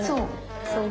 そう。